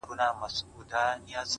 لنډۍ په غزل کي، اوومه برخه!!